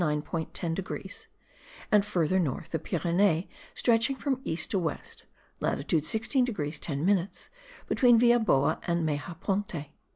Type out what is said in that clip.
10 degrees), and, further north, the Pyrenees stretching from east to west (latitude 16 degrees 10 minutes) between Villaboa and Mejaponte).